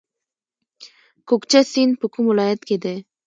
کوکچه سیند په کوم ولایت کې دی؟